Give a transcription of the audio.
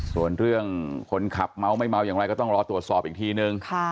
ส่วนเรื่องคนขับเมาไม่เมาอย่างไรก็ต้องรอตรวจสอบอีกทีนึง